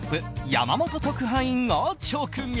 山本特派員が直撃。